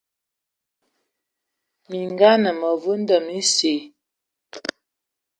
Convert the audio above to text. Minga anə məvul ndəm esil.